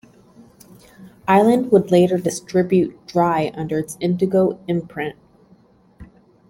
Island would later distribute "Dry" under its Indigo imprint.